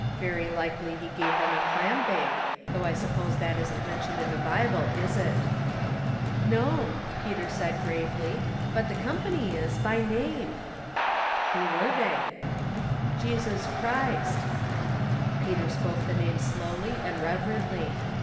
Very likely he gave them a clam bake, though I suppose that isn't mentioned in the Bible, is it ?"No," Peter said, gravely. '• But the company is by name." Light without Logic. 123 " Who were they ?"" Jesus Christ." Peter spoke the name slowly and reverently.